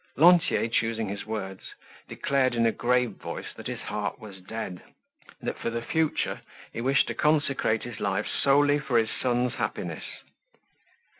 Lantier, choosing his words, declared in a grave voice that his heart was dead, that for the future he wished to consecrate his life solely for his son's happiness.